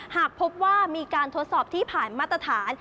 หากพบว่ามีการทดสอบที่ผ่านมาตรฐาน